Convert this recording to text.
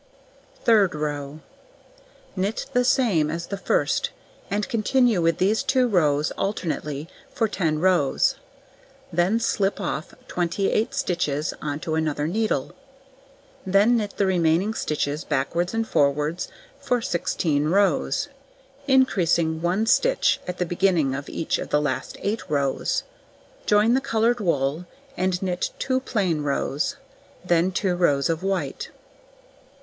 Third row: Knit the same as the first, and continue with these 2 rows alternately for 10 rows, then slip off 28 stitches on to another needle, then knit the remaining stitches backwards and forwards for 16 rows, increasing 1 stitch at the beginning of each of the last 8 rows, join the coloured wool and knit 2 plain rows, then 2 rows of white.